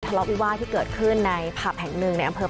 ละวิวาสที่เกิดขึ้นในผับแห่งหนึ่งในอำเภอ